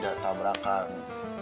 biar tidak tabrakan